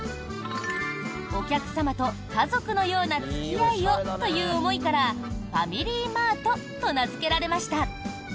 お客様と家族のような付き合いをという思いからファミリーマートと名付けられました。